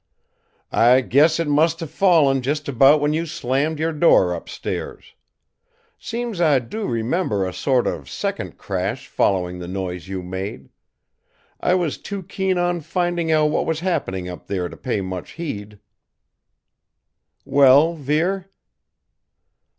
"I guess it must have fallen just about when you slammed your door upstairs. Seems I do remember a sort of second crash following the noise you made. I was too keen on finding out what was happening up there to pay much heed." "Well, Vere?"